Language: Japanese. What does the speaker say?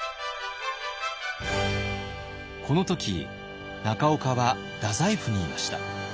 この時中岡は太宰府にいました。